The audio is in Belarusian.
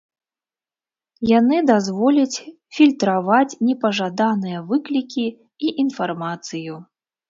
Яны дазволяць фільтраваць непажаданыя выклікі і інфармацыю.